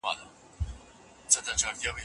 خصوصاً د ارغنداب باغ او ولو ته